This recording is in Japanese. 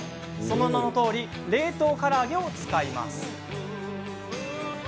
その名のとおり冷凍から揚げを使います。